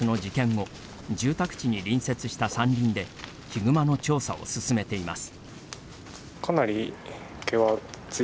後住宅地に隣接した山林でヒグマの調査を進めています。